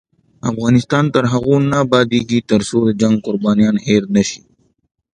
افغانستان تر هغو نه ابادیږي، ترڅو د جنګ قربانیان هیر نشي.